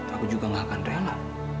aku juga gak akan rela